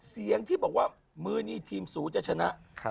เสียงที่บอกว่ามือนี้ทีมสูจะชนะ